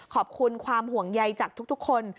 ขอบคุณความห่วงใยจากทุกคน